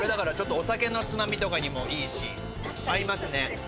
お酒のつまみとかにもいいし、合いますね。